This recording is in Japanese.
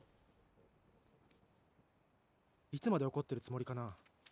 いつまで怒ってるつもりかな